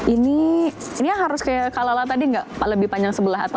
ini ini harus kayak kalala tadi nggak pak lebih panjang sebelah atau